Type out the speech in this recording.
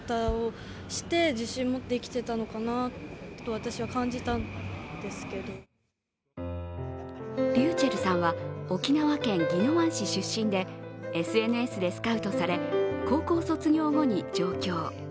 水の大切さについて昨日、突然の訃報にｒｙｕｃｈｅｌｌさんは沖縄県宜野湾市出身でＳＮＳでスカウトされ高校卒業後に上京。